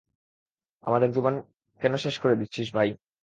আমাদের জীবন কেন শেষ করে দিচ্ছিস, ভাই?